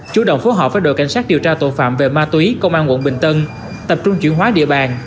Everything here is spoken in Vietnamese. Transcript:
chủ động phối hợp với đội cảnh sát điều tra tội phạm về ma túy công an quận bình tân tập trung chuyển hóa địa bàn